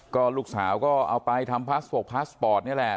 ก็ลูกสาวก็เอาไปทำพาสโปรดนี่แหละ